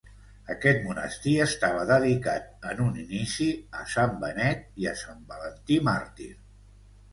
Aquest monestir estava dedicat en un inici a Sant Benet i a Sant Valentí màrtir.